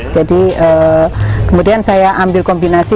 jadi kemudian saya ambil kombinasi